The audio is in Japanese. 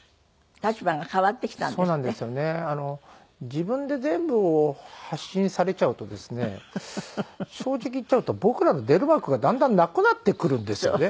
自分で全部を発信されちゃうとですね正直言っちゃうと僕らの出る幕がだんだんなくなってくるんですよね。